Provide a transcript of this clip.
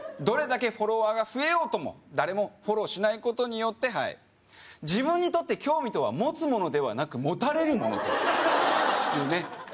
どれだけフォロワーが増えようとも誰もフォローしないことによってはい自分にとって興味とは持つものではなく持たれるものというね